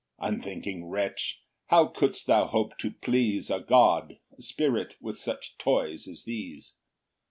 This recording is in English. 7 Unthinking wretch! how couldst thou hope to please A God, a spirit, with such toys as these?